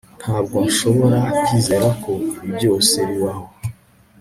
Ntabwo nshobora kwizera ko ibi byose bibaho